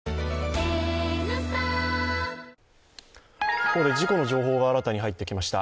ここで事故の情報が新たに入ってきました。